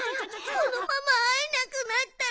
このままあえなくなったら。